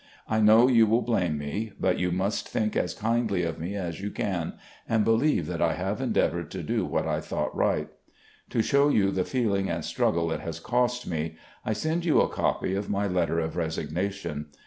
I know you will blame me; but you must think as kindly of me as you can, and believe that I have endeavoured to do what I thought right. "To show you the feeling and struggle it has cost me, I send you a copy of my letter of resignation.